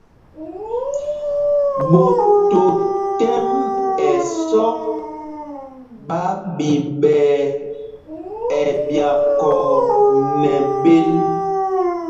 Ɓot o tɛ́m ɛsɔk ɓa ɓiɓɛɛ ɛɓyakɔɔ nɛ bēl.